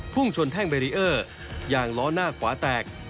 พุ่งชนแท่งเบรีเออร์ยางล้อหน้าขวาแตก